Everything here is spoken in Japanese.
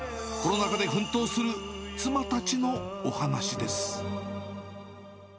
コロナ禍で奮闘する妻たちのお話です。